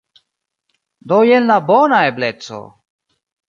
Do jen la bona ebleco!